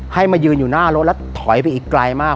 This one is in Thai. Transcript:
มายืนอยู่หน้ารถแล้วถอยไปอีกไกลมาก